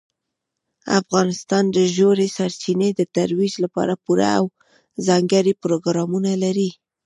افغانستان د ژورې سرچینې د ترویج لپاره پوره او ځانګړي پروګرامونه لري.